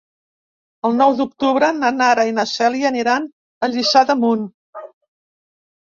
El nou d'octubre na Nara i na Cèlia aniran a Lliçà d'Amunt.